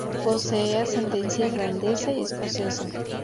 Posee ascendencia irlandesa y escocesa.